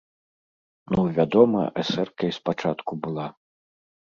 Ну, вядома, эсэркай спачатку была.